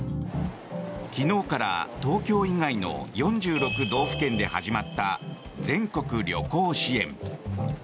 昨日から東京以外の４６道府県で始まった全国旅行支援。